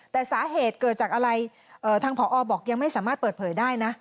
แต่สาเหตุเกิดจากอะไรทางผอบอกยังไม่สามารถเปิดเผยได้นะ